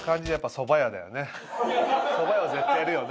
そば屋は絶対やるよね。